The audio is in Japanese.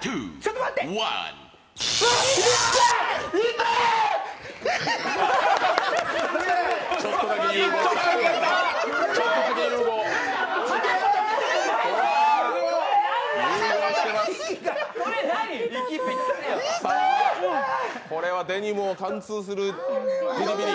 ちょっとだけこれはデニムを貫通するビリビリ。